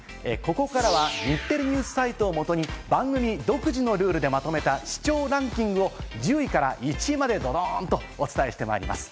ここからは日テレニュースサイトを、基に番組独自のルールでまとめた視聴ランキングを１０位から１位までお伝えしてまいります。